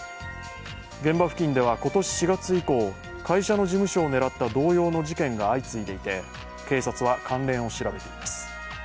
現場付近では今年４月以降会社の事務所を狙った同様の事件が相次いでいて警察は関連を調べています。